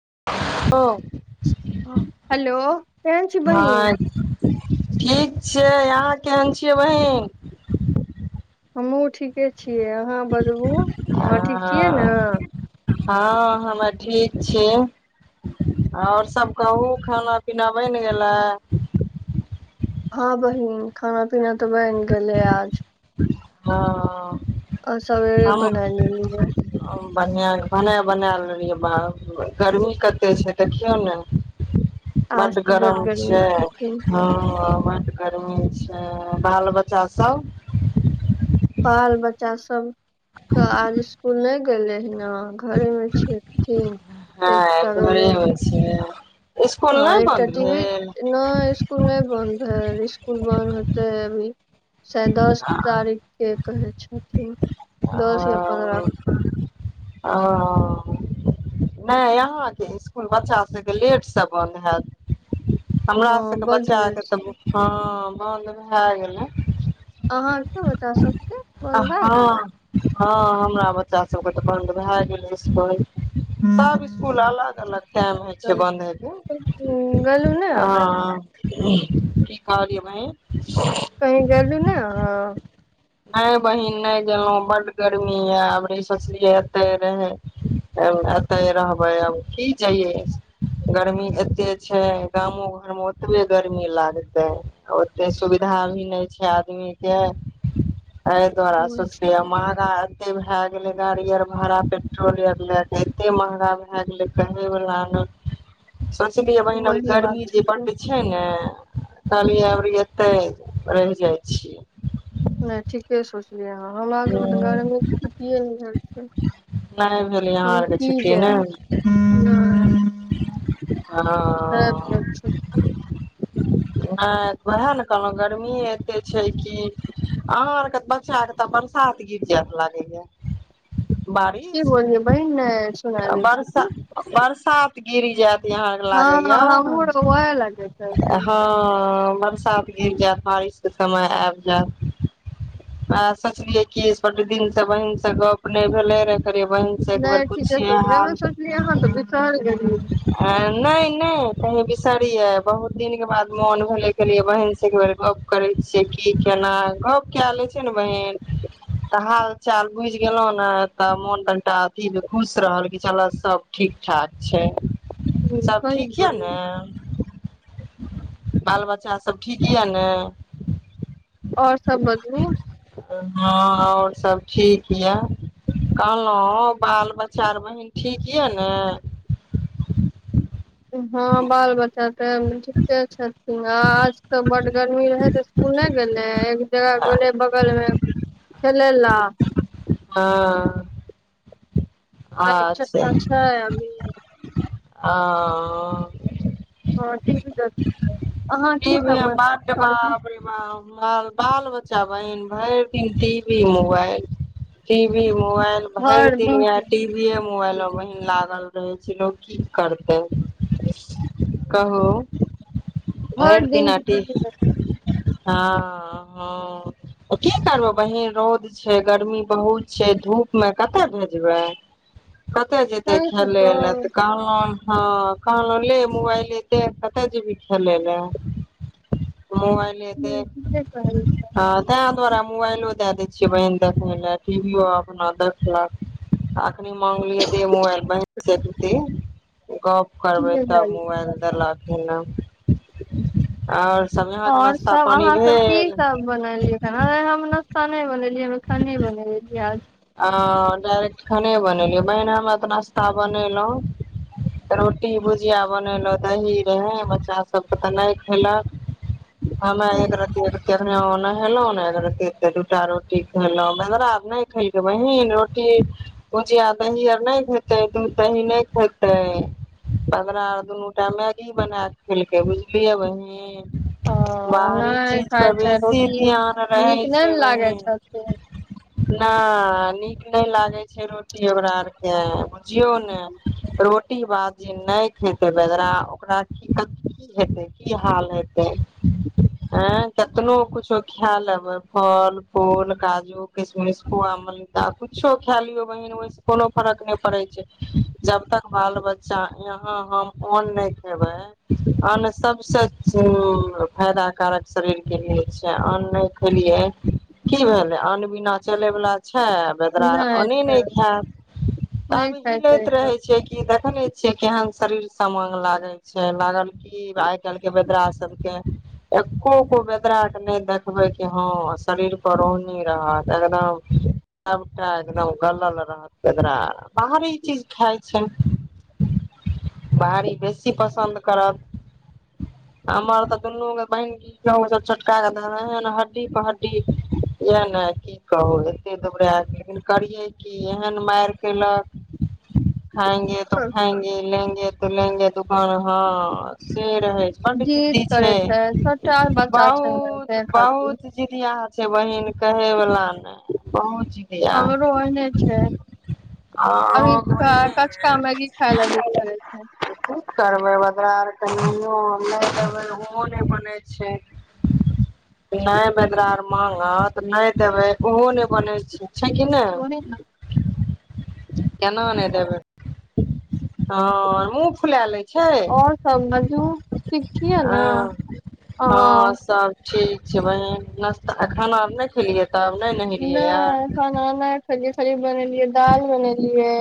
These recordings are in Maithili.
[unintelligible] हेलो केहन छी बहिन हँ ठीक छै अहाँ केहन छियै बहीन हमहूं ठीके छियै अहाँ बतबू अहाँ ठीक छियै ने हाँ हमे ठीक छी ओर सभ कहू खाना पीना बनि गेलय हँ बहिन खाना पीना तऽ बनि गेलय आज हाँ आ सवेरे बना लेलियै बढ़िया मने बना लेलिए बा गर्मी कते छै देखियौ ने आज बड तऽ गरम गर्मी छै छथिन हा बड गर्मी छै बाल बच्चा सब बाल बच्चा सब तऽ आज स्कूल नहि गेल ही ह घरेमे छियै ठीक हँ एकबारे होइ छै इसकुल हा नहि एकटा बन्द टीवी भेल नहि स्कुल नहि बंन्द भेल स्कूल बन्द होते है अभी शायद दस तारीखके कहै छथिन दस या पन्द्रह आओर आ ओ नहि अहाँके स्कुल बच्चाभके लेटसे बन्द हैत हमरा हँ सबके बड्ड लेट बच्चाके तऽ छै हँ ह नहा लेलो अहाँके बच्चासभके हँ बंद भए गेलय हँ हमरा बच्चा सबके तऽ बंद भए गेलय स्कूल सब स्कूल अलग अलग टाइम होइ छै गेलै बन्द हौयके गेलु ने अहाँ की कहलिय बहिन कहै गलू ने हँ नहि बहिन नहि गेलहुँ बड्ड गरमी यए आब नहि सोचलियै एतहि रहै एतहि रहबै आब की जइयै गर्मी एतेक छै गामो घरमे ओतबे गरमी लागतै ओतेक सुविधा भी नहि छै आदमीके एहि दुआारा सोचलिय महंगा एते भए गेलय गाड़ी आर भाड़ा पेट्रोल आर लएके एते महंगा भए गेलय कहेवला ने सोचलियै बहिन वही बात गर्मी छै जे बड़ तऽ छै ने कहलियै अबरी एते रहि जाइ छियै नहि ठीके सोच हमरा सबके छियै गर्मी के छुट्टीयो नहि भेल छै नहि भेल यहाँ हम आरके की छुट्टी ने जैब हम तै ने हँ कहय छि नहि वएह ने कहलहुँ गर्मी एते छै कि अहाँ आर के बच्चा तऽ बरसात गिर जैत लागे य की बारिश बोलियै बहिन नहि सुनाय दै छै की बरसा बरसा गिरी जा यहाँके हँ लागै या हमहूँ आर ओएह लगे कहलखिन हँ बरसात गिर जायत बारिश के समय आब जायत सोचलियै की छोटकी से बहिन से गप नहि भेले बहिन से एक बेर नहि ठीके पूछिए सोचलियै हाल हमे सोचलियै अहाँ तऽ बिसरि गेलियै नहि नहि कही बिसैर किया बहुत दिन के बाद मोन भेले कहलियै बहिन से एक बेर गप करे छियै की केना गप कय लए छियै ने बहिन तऽ हाल चाल बुझि गेलहु ने तऽ मोन कनिटा अथी खुश रहल क चल सब ठीक ठाक छै सभ सही ठीक यए बोललियै नय बाल बच्चासभ ठीक यए ने और सब बतबू हँ आओर सभ ठीक यए कहलहुँ बाल बच्चा आर बहिन ठीक यए ने हँ बाल बच्चा तऽ ठीके छै आज तऽ बड गरमी रहै तऽ इसकुल नहि गेलै एक जगह गेलले बगलमे खेलय लए हँ अहाँ के अच्छा छोटका छय अभी आ हँ टीवी देखै अहाँ की भेल सब मड बना बापरे ब माल बाल बच्चा बहिन भरि दिन TV mobile TV mobile mobile भैर दिन इएह मोबाइल मे बहिन लागल ल रहै छै लोक की करतै कहू भरि भरि दिन दिना के टीवी देखै हँ हँ हँ त की करबै बहीन रौद छै गर्मी बहुत छै धूपमे कतए भेजबै कतए जेतै खेलै लए तऽ कहलाँ हँ कहलो ले मोबाइल एते कते जेबही खेलय लए मोबइल हेतै ठीके कहलियै ह तें द्वारा मोबाइलो दए देय छियै बहिन देखे लए टीवियो अपना देखलक आ मंगलिया दे मोबल बहिन से दे गप करबे ठीके तब कहलियै मोबाइल देलक आओर सब यहाँके आओर नाश्ता सब पानी अहाँ सब की भेल सब बनेलियै खाना हम न खाना नई बनेलिए नय अखन नय बेनेलीय हन आ खाने बनेलियै बहिन हमरा तऽ नाश्ता बनेलउ रोटी भुजिया बनेलउ दही रहै बच्चासभके तऽ नहि खेलक हमे आज एक रति जखेने हम नहेलों न दू टा रोटी खेलों बंगरा आर नय खेलकय बहीन रोटी भुजिया दही आर नहि खेतय दूध दही नहि खेतय बदरा आर दुनू टाइम मैगी बना क खेलकय बुझलियए बहिन ह बाहरी नहि चीज खाइ पर छै बेसी रोटी ध्यान रहे नीक नहि ने लागय छय से नहि नीक नहि लागै छै रोटी ओकरा आरके जियओ ने रोट [unintelligible] मिसकुआ मलिदा कुछो खाय लियौ बहिन ओहिसँ कोनो फरक नहि पड़ै छै जबतक बाल बच्चा यहाँ हम अन्न नहि खेबय अन्न सबसे फायदा कारक शरीर के लिए छय अन्न नहि खेलियै की भेलै अन्न बिना चलै बला छै बेदरा आर नहि अन्ने छै नहि खायत तब नहि ही खाइ छै लैत रहे सब छै कि देख देखे छियै केहन शरीर समांग लागे छै लागल की आय कालके बच बेदरा सब के एकोगो बेदरा के नहि देखबे कि हँ शरीर पर रौहनी रहत एकदम सबटा एकदम गलल रहत बेदरा बाहरी चीज खाय छै बाहरी बेसी पसन्द करत हमर तऽ दुनू बहिन की कहु छोटका के द हड्डी प हड्डी जे ने कि कहू एते दुबरैल छै लेकिन करियै की एहन मारि केलक खाएंगे तो खाएंगे लेंगे [unintelligible] हँ से रहे छै बड जिद जिद्दी छै करै छोटा बच्चा छै ने तै बहुत खातिर बहुत जिदियाह बहिन कहे बला ने बहुत जिदिया हमरो आ ओहिने छै अभी अहाँके कचका बहिने मैगी खाय लए जिद करै छय की करबै बदरा अर तऽओ नहि देबै उहो नहि बनै छै नये बदरा आर मागंत तऽ नहि देबै ओहो ने बनय छै छै कि न ओहे ने केना नहि देबय हँ मुँह फुला लए आओर सभ बाजू ठीक छियै ने हँ ह गे बहिन नाश्ता खाना आर नहि खेलियै तब नहि नहेलियै आर नहि खाना नय खेलिये बनेलियै दालि बनेलियै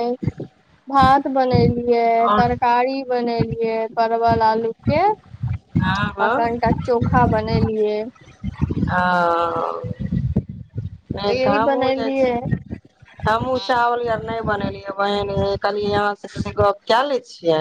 भात बनेलियै आओर तरकारी बनेलियै परवल आलू के आ हँ कनिटा चोखा बनेलियै अर नहि यही गामो जाइ बनेलियै छियै हमहु इ आर नै बनेलियै बहन कहलिय अहा से गप कय लए छी किया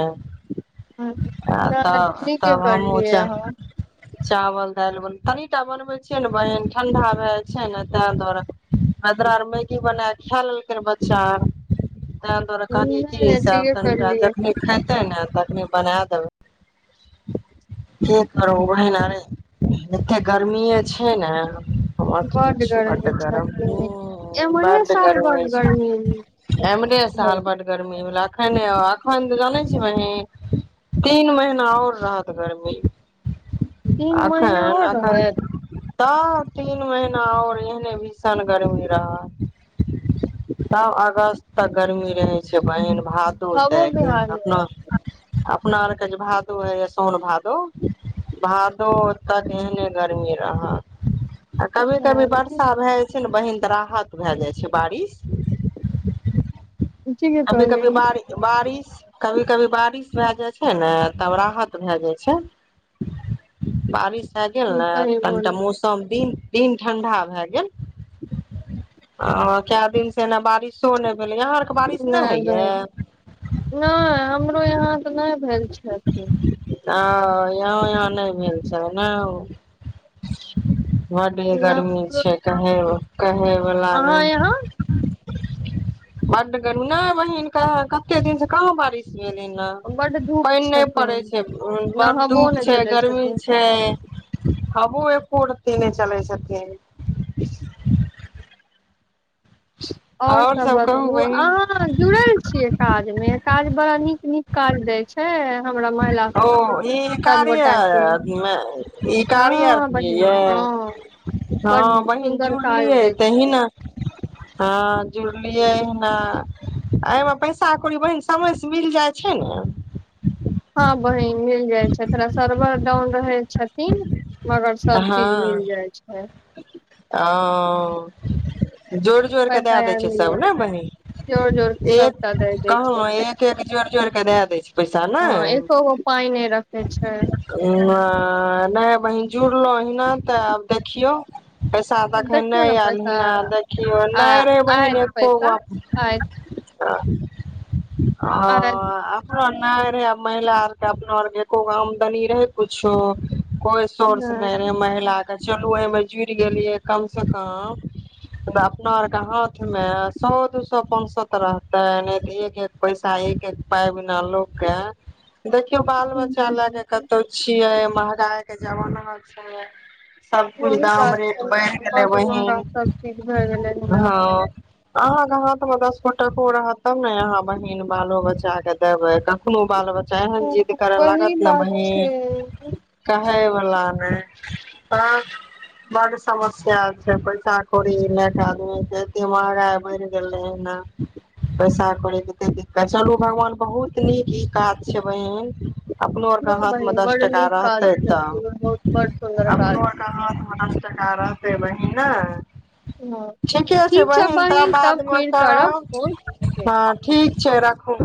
नहि तब नीके तब हमहूँ करलियै अहाँ चाह चावल दाल तनीटा बनबे छियै ने बहन ठंडा भए जाय छै ने ताहि दुआरे ओकरा आरके मैगी बना क खाय लेलके कर ब चार त दुआरे कहलियै नहि की नहि सब ठीके तनि करलियै जखनी खेते ने तखनी बना देबै कि करू बहिन अए एते गर्मीए छै ने हमरा की बड पुछू गर्मी गरम छथिन एम्हरे साल बड गर्मी एमरे रहै साल बड गर्मी भेलय आखा आखा जान बहिन तीन महीना आओर रहत गर्मी तीन महीना आओर रहै तऽ तीन महीना और एहने भीषण गरमी रहत तब अगस्त तक गर्मी रहय बहिन भातो हमरो बिहार तैना अपना आरके जे भादो होइए सान भादो भादो ओतऽ एहने गर्मी रहत आ कभी कभी मे बर्षा भए छै ने बहिन तऽ राहत भए जाय छै बारिश [inaudible] ठीके कभी कभी कहलियै बारि बारिश कभी कभी बारिश भए जाइ छै ने तब राहत भए जाइ छै बारिश भए गेल ने सही कनिटा बोलली मौसम दिन दिन ठंडा भए गेल कए दिन [inaudible] नहि भेलै यहाँ आरके बारिश नहि होइया बेहिन आ नये हमरो यहाँ तऽ नहि भेल छै किया छै य यहाँ नहि भेल छै ने बड्ड गर्मी नहि छै कहे कहे वला ने अहाँ यहाँ बड गरमी नहि बहिन कते दिन से कह बारिश गेलै ना बड धूप पइन नहि पड़े छथिन छै बड़ नहबो धूप नहि छै चलै गर्मी छथिन छै आबो एको रति नहि चलै छथिन ओर आओर सब कहू बतबू बहिन अहाँ जुड़ल छियै काजमे काज बड़ा नीक नीक काज दैय छै हमरा महिला ओ सबके ई कार्या सबगोटा के ई कार्य आर हँ बहिन ये हँ हँ बड बहिन सुन्दर काज जुड़लियै दै तेहि छै न हँ जुड़लियै एहहिना एहिमे पैसा कौड़ी बहीन समयसँ मिल जाइ छै ने हँ बहिन मिल जाइ छै जेकरा सर्बर डाउन [unintelligible] मगर सब हँ चीज मिल जाय छै [inaudible] हा ओ जोर जोर के पैसा दए दै आर छै मिल सब जाइ ने जोड़ जोड़ के बहिन एक सबटा दै दै छै कहलउ एक एक जोर जोर के दए दै छै पैसा ने हँ एको गो पाइ नहि रखे छै नहि बहिन जुड़लहु ओहिना तऽ आब देखियौ पैसा तऽ एखन देखियौ ने नहि आयल पैसा हन देखियौ आ नहि रहै बहीन आयत एको पैसा गो आयत त आयत ओ नहि रहे महिला आर के अपना आर के आमदनी रहे कुछो कोइ सोर्स नहि रहै महिला चलू उहेमे जुड़ि गेलियै कमसँ कम तऽ अपना आरके हाथमे सौ दू सौ पाँच सौ तऽ रहतै नहि तऽ एक एक पैसा एक एक पाइ बिना लोकके देखियौ बाल बच्चा नहि लयके कतौ छियै महंगाय के जमाना छैय सब कुइ अ अ भ हँ गेलय अहाँके हाथ मे दस फोटको रहत तब ने अहाँ बहिन बालो बच्चा के देबै कखनो बाल बच्चा एहन जिद हँ, कर वही लागत ने बात छै बहिन नहि देखय वला नै प्राण बड समस्या छै पैसा कौड़ी लए क आदमी के एते महगाइ बढ़ गेलै हन पैसा कौड़ी केते दिक्कत चलू भगवान बहुत नीक ई काज छै बहिन अपनो आरके हाथमे बहिन दस बड टाका नीक काज रहतै छथिन बहुत त बड सुन्दर काज अपनो आरके हाथ पांच टका रहतै बहिन ने हँ ठीके छै ठीक बहिन तऽ तब बादमे फिर फोन करब हँ ठीक छै राखू